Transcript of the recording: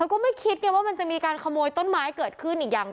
ก็ไม่คิดไงว่ามันจะมีการขโมยต้นไม้เกิดขึ้นอีกอย่าง